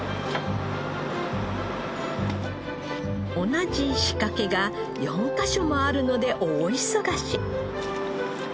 同じ仕掛けが４カ所もあるので大忙し。